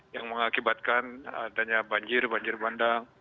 yang mengakibatkan adanya banjir banjir bandang